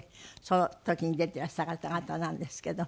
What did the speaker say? その時に出ていらした方々なんですけど。